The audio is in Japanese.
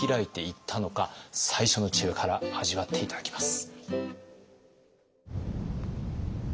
最初の知恵から味わって頂きます。